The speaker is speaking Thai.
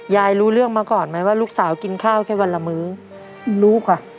ยายรู้เรื่องมาก่อนไหมว่าลูกสาวกินข้าวแค่วันละมื้อรู้ค่ะ